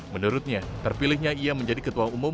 menurutnya terpilihnya ia menjadi ketua umum